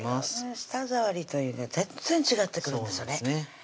舌触りというのが全然違ってくるんですよね